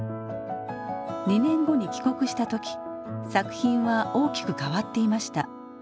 ２年後に帰国した時作品は大きく変わっていました。